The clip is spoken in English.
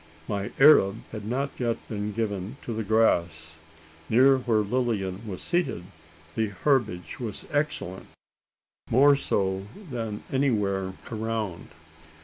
My Arab had not yet been given to the grass! Near where Lilian was seated, the herbage was luxuriant more so than anywhere around.